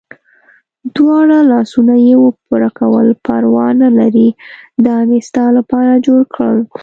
دواړه لاسونه یې و پړکول، پروا نه لرې دا مې ستا لپاره جوړ کړل.